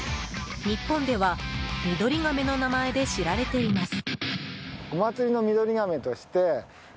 日本では、ミドリガメの名前で知られています。